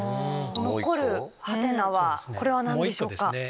残るハテナはこれは何でしょうか？